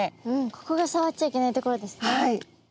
ここがさわっちゃいけないところですね。